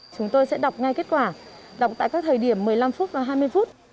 chúng tôi sẽ đọc ngay kết quả đọc tại các thời điểm một mươi năm phút và hai mươi phút